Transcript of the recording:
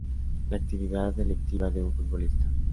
La actividad delictiva de un futbolista.